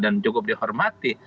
dan cukup dihormati